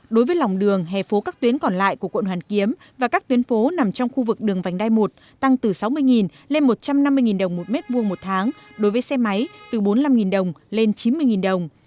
đối với lòng đường hè phố các tuyến còn lại của quận hoàn kiếm và các tuyến phố nằm trong khu vực đường vành đai một tăng từ sáu mươi lên một trăm năm mươi đồng một mét vuông một tháng đối với xe máy từ bốn mươi năm đồng lên chín mươi đồng